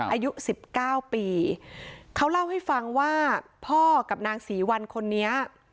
อายุสิบเก้าปีเขาเล่าให้ฟังว่าพ่อกับนางศรีวัลคนนี้